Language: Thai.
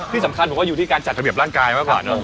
ที่สำคัญบอกว่าอยู่ที่การจัดระเบียบร่างกายมากกว่าเนอะ